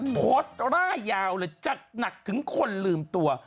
กร่ายยาวเลยจัดหนักถึงคนลืมตัว